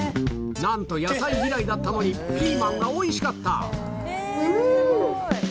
なんと野菜嫌いだったのに、ピーマンがおいしかった。